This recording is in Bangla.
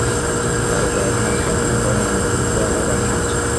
তার ওপর এখন আইন সংশোধন করে মনোনীত পরিষদের আকার বাড়ানো হচ্ছে।